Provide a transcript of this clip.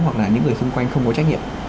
hoặc là những người xung quanh không có trách nhiệm